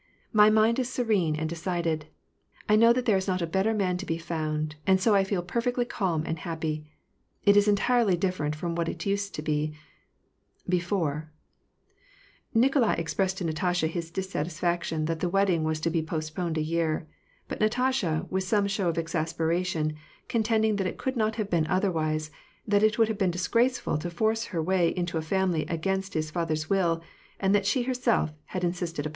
My mind is serene and decided. I know that there is not a better man to be found, and so I feel perfectly calm and happy. It is entirely different from what it used to be — before "— Nikolai expressed to Natasha his dissatisfaction that the wedding was to be postponed a year ; but Natasha, with some show of exasperation, contended that it could not have been otherwise, that it would have been disgraceful to force her way into his family agcainst his father's will, and that she her self had insisted upon it.